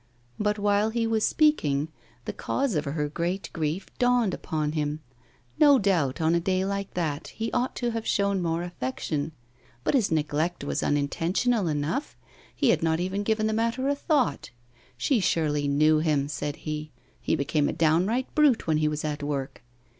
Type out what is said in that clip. But, while he was speaking, the cause of her great grief dawned upon him. No doubt, on a day like that, he ought to have shown more affection; but his neglect was unintentional enough; he had not even given the matter a thought. She surely knew him, said he; he became a downright brute when he was at work.